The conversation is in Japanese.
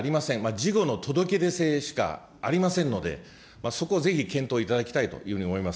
事後の届け出制しかありませんので、そこをぜひ検討をいただきたいと思います。